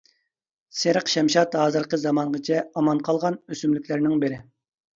سېرىق شەمشاد ھازىرقى زامانغىچە ئامان قالغان ئۆسۈملۈكلەرنىڭ بىرى.